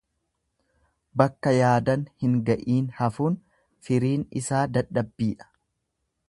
Bakka yaadan hin ga'iin hafuun firiin isaa dadhabbiidha.